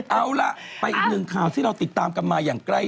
เอาล่ะไปอีกหนึ่งข่าวที่เราติดตามกันมาอย่างใกล้